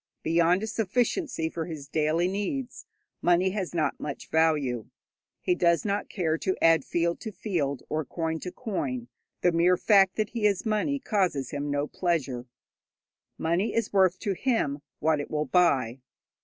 Beyond a sufficiency for his daily needs money has not much value. He does not care to add field to field or coin to coin; the mere fact that he has money causes him no pleasure. Money is worth to him what it will buy.